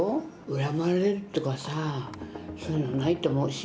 恨まれるとかさ、そういうのないと思うし。